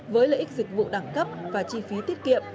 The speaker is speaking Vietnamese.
với lợi ích dịch vụ đẳng cấp và chi phí tiết kiệm